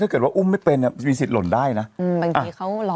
ถ้าเกิดว่าอุ้มไม่เป็นอ่ะมีสิทธิหล่นได้นะอืมบางทีเขารอ